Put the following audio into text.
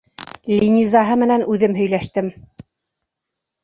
Линизаһы менән үҙем һөйләштем.